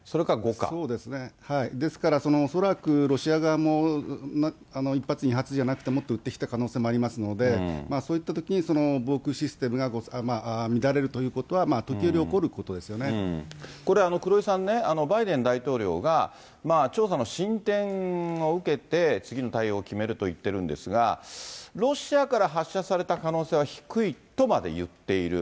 そうですね、ですから恐らくロシア側も１発、２発じゃなくて、もっと撃ってきた可能性もありますので、そういったときに、防空システムが乱れるということは、時折、これ、黒井さんね、バイデン大統領が調査の進展を受けて次の対応を決めると言ってるんですが、ロシアから発射された可能性は低いとまで言っている。